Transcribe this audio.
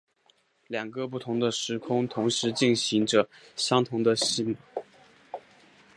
两个不同的时空同时进行着相同的戏码。